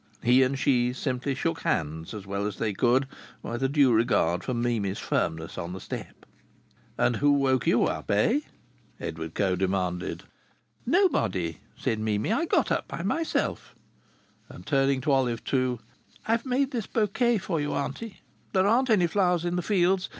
He and she simply shook hands as well as they could with a due regard for Mimi's firmness on the step. "And who woke you up, eh?" Edward Coe demanded. "Nobody," said Mimi; "I got up by myself, and," turning to Olive Two, "I've made this bouquet for you, auntie. There aren't any flowers in the fields.